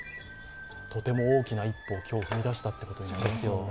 とても大きな一歩を今日踏み出したということになるわけですね。